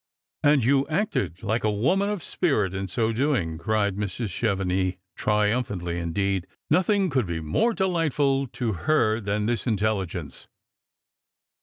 " And you acted like a woman of spirit in so doing," cried Mrs. Chevenix triumphantly; indeed, nothing could be more delightful to her than this intelligence.